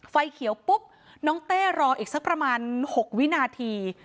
ไฟเขียวปุ๊บน้องเต้รออีกสักประมาณ๖วินาที